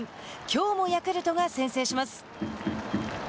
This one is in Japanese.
きょうもヤクルトが先制します。